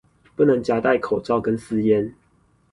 不能夾帶口罩跟私菸